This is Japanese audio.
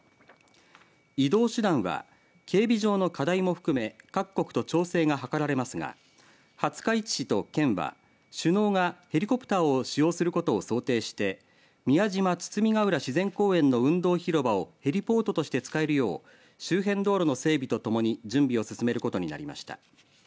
移動手段は警備上の課題も含め各国と調整が図られますが廿日市市と県は首脳がヘリコプターを使用することを想定して宮島包ヶ浦自然公園の運動広場をヘリポートとして使えるよう周辺道路の整備とともに準備を進めることになりました。